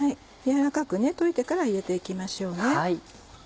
やわらかく溶いてから入れて行きましょうね。